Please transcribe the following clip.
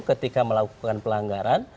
ketika melakukan pelanggaran